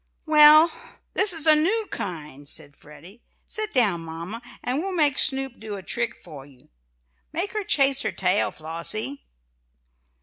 "Well, this is a new kind," said Freddie. "Sit down, mamma, and we'll make Snoop do a trick for you. Make her chase her tail, Flossie."